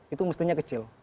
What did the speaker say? itu mestinya kecil